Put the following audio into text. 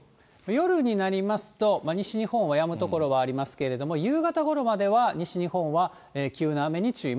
夜になりますと、西日本はやむ所はありますけれども、夕方ごろまでは西日本は急な雨に注意。